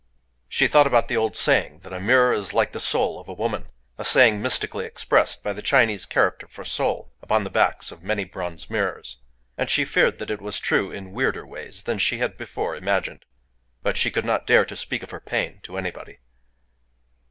She thought about the old saying that a mirror is the Soul of a Woman—(a saying mystically expressed, by the Chinese character for Soul, upon the backs of many bronze mirrors),—and she feared that it was true in weirder ways than she had before imagined. But she could not dare to speak of her pain to anybody.